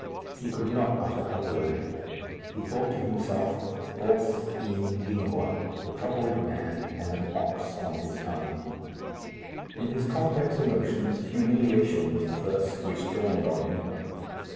He could not utter a word. He thought to himself, Bos in lingûa. The troubled man has an ox on his tongue. In his complex emotions, humiliation was the first which dawned on him.